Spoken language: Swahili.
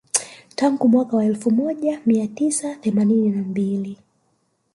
Tangu mwaka wa elfu moja mia tisa themanini na mbili